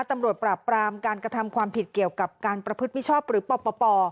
ตำรวจปราบปรามการกระทำความผิดเกี่ยวกับการประพฤติมิชชอบหรือปป